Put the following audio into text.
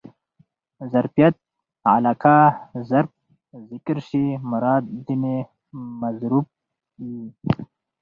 ظرفیت علاقه؛ ظرف ذکر سي مراد ځني مظروف يي.